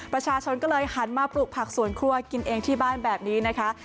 ประชาชนก็เลยหันมาปลูกผักสวนครัวกินเองที่บ้านแบบนี้นะคะ